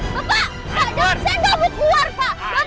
bapak pak jangan saya gak mau keluar pak